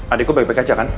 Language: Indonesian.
adik gua baik baik aja kan